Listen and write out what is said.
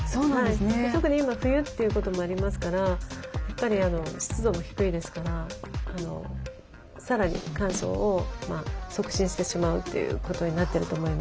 特に今冬ということもありますからやっぱり湿度も低いですからさらに乾燥を促進してしまうということになってると思いますね。